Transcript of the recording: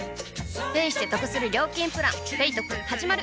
ペイしてトクする料金プラン「ペイトク」始まる！